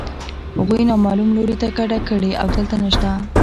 هغوی نامعلوم لوري ته کډه کړې او دلته نشته